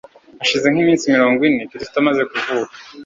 Hashize nk'iminsi mirongo ine Kristo amaze kuvuka,